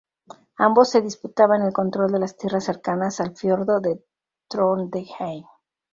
Ambos se disputaban el control de las tierras cercanas al fiordo de Trondheim.